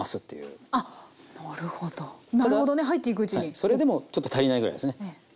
それでもちょっと足りないぐらいですね。